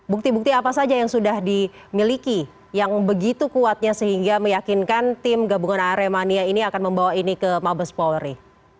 bukti bukti apa saja yang sudah dimiliki yang begitu kuatnya sehingga meyakinkan tim gabungan aremania ini akan membawa ini ke mabes polri